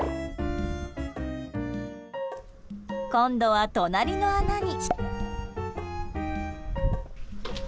今度は隣の穴に。